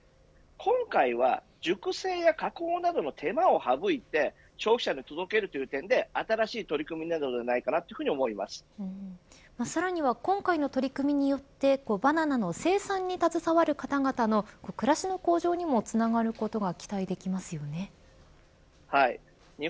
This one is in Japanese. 今回は、熟成や加工などの手間を省いて消費者に届けるという点で新しい取り組みになるのではさらには今回の取り組みによってバナナの生産に携わる方々の暮らしの向上にもつながることが期待できますよね。